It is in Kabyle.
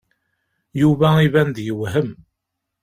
Yuba iban-d yewhem.